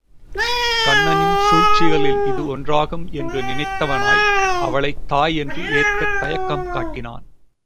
கண்ணனின் சூழ்ச்சிகளில் இது ஒன்றாகும் என்று நினைத் தவனாய் அவளைத் தாய் என்று ஏற்கத் தயக்கம் காட்டினான்.